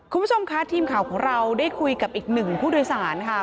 คุณผู้ชมคะทีมข่าวของเราได้คุยกับอีกหนึ่งผู้โดยสารค่ะ